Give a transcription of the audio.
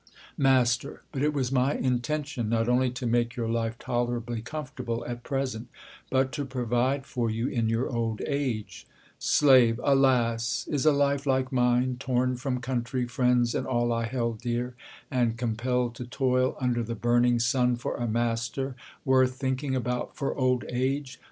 Mast, But it was my intention not only to make your life tolerably comfortable at present, but to pro vide for you in your old age. W Slave. 242 THE COLUMBIAN ORATOR. Slave, Alas! is a life like mine, torn from counay, friends, and all I held dear, and compelled to toil un der the bm'ning sun for a master, worth thinking about for old age